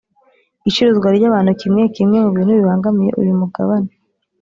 icuruzwa ry’ abantu kimwe kimwe mu bintu bibangamiye uyu mugabane